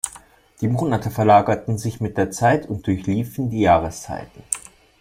Die Monate verlagerten sich mit der Zeit und durchliefen die Jahreszeiten.